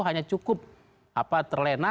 hanya cukup terlena